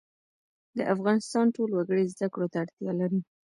د افغانستان ټول وګړي زده کړو ته اړتیا لري